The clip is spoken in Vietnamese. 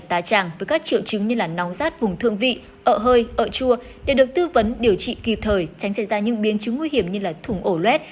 tá tràng với các triệu chứng như nóng rát vùng thương vị ợ hơi ợ chua để được tư vấn điều trị kịp thời tránh ra những biến chứng nguy hiểm như thùng ổ luet